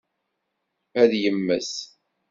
Ad yemmet?